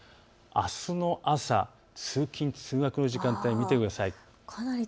あすの朝、通勤通学の時間帯見てください。